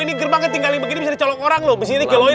ini gerbangnya tinggalin begini bisa dicolok orang loh